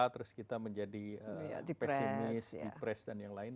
terus kita menjadi pessimis depressed dan yang lain